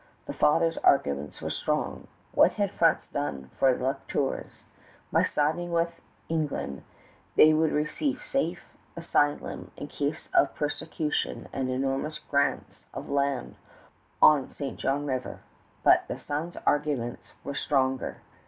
The father's arguments were strong. What had France done for the La Tours? By siding with England they would receive safe asylum in case of persecution and enormous grants of land on St. John River. But the son's arguments were stronger.